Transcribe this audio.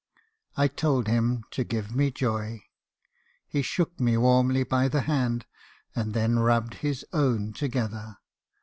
I told him to give me joy. He shook me warmly by the hand; and then rubbed his own together.